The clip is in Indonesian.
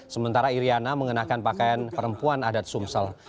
sementara iryana mengenakan pakaian perempuan adat sumsel